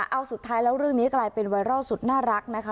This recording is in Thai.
เอาสุดท้ายแล้วเรื่องนี้กลายเป็นไวรัลสุดน่ารักนะคะ